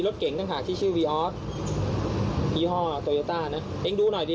เก่งต่างหากที่ชื่อวีออสยี่ห้อโตโยต้านะเองดูหน่อยดิ